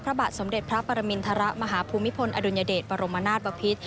พระบาทสมเด็จพระปรมินทรมาฮภูมิพลอดุลยเดชบรมนาศบพิษ